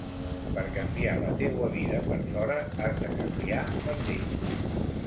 Per canviar la teua vida per fora has de canviar per dins.